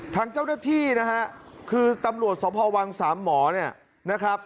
ทางเจ้าหน้าที่นะฮะคือตำรวจสพวังสามหมอเนี่ยนะครับ